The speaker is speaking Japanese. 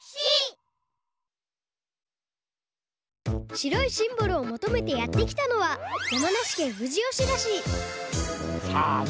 白いシンボルをもとめてやってきたのは山梨県富士吉田市さあね